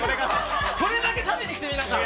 これだけ食べに来て、皆さん。